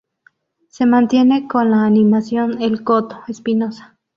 Se mantiene en la animación, el "Coto" Espinoza.